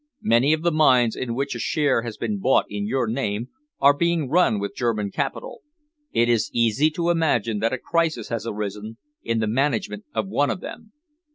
"Many of the mines in which a share has been bought in your name are being run with German capital. It is easy to imagine that a crisis has arisen in the management of one of them.